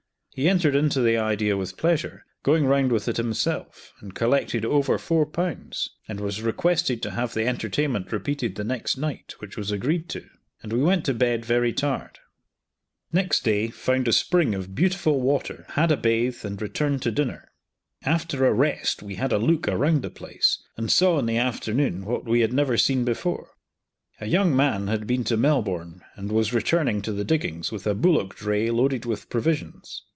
He entered into the idea with pleasure, going round with it himself, and collected over four pounds, and was requested to have the entertainment repeated the next night, which was agreed to; and we went to bed very tired. Next day I found a spring of beautiful water, had a bathe, and returned to dinner. After a rest, we had a look around the place, and saw in the afternoon what we had never seen before. A young man had been to Melbourne and was returning to the diggings with a bullock dray loaded with provisions.